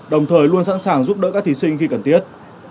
đồng thời luôn sẵn sàng giúp đỡ các thí sinh khi cần thiết